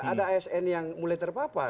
ada asn yang mulai terpapar